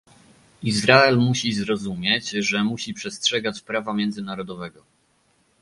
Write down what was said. Izrael musi zrozumieć, że musi przestrzegać prawa międzynarodowego